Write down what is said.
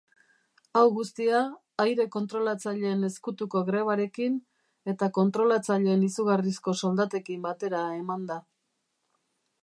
Hau guztia aire-kontrolatzaileen ezkutuko grebarekin eta kontrolatzaileen izugarrizko soldatekin batera eman da.